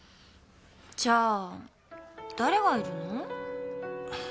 じゃあ誰がいるの？